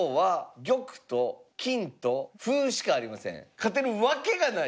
勝てるわけがない。